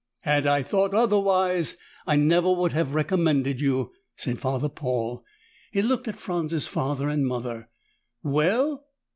"Had I thought otherwise, I never would have recommended you," said Father Paul. He looked at Franz's father and mother. "Well?"